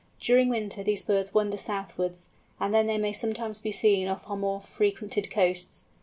During winter these birds wander southwards, and then they may sometimes be seen off our more frequented coasts.